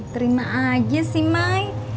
terima aja sih mai